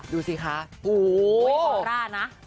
ดูซิคะโหววววววววร้านะ